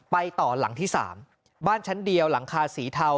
ไปต่อหลังที่๓บ้านชั้นเดียวหลังคาสีเทา